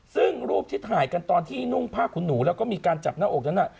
ซึ่งรูปที่ถ่ายกันตอนที่นุ่งผ้าขุนหนูแล้วก็มีการจับหน้าอกนั้นน่ะ